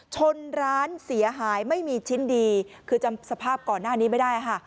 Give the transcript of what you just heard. ชนร้านเสียหายไม่มีชิ้นดีคือจำสภาพก่อนหน้านี้ไม่ได้ค่ะ